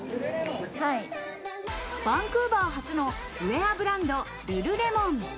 バンクーバー発のウェアブランド、ルルレモン。